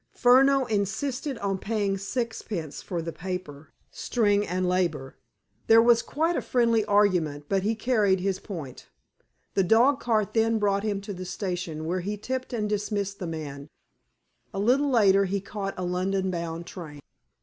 Furneaux insisted on paying sixpence for the paper, string, and labor. There was quite a friendly argument, but he carried his point. The dog cart then brought him to the station, where he tipped and dismissed the man; a little later, he caught a London bound train.